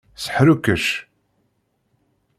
Seḥrukkec.